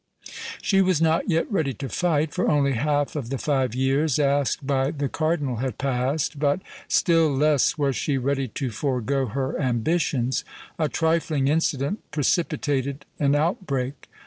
She was not yet ready to fight, for only half of the five years asked by the cardinal had passed; but still less was she ready to forego her ambitions. A trifling incident precipitated an outbreak.